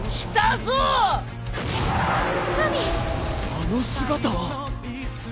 あの姿は。